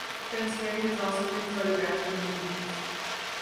Prince Harry has also been photographed in the jeans.